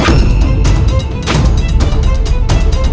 aku ingin menangkapmu